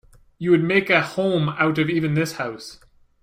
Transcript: You would make a home out of even this house.